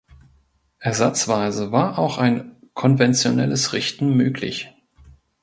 Ersatzweise war auch ein konventionelles Richten möglich.